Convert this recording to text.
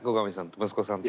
息子さんと。